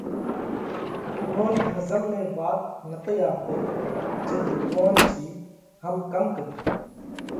اُوئون رِي ۿزم ۾ وات نتئِي آوَتئِي جي ڀڳوونَ جِي هم ڪم ڪريو؟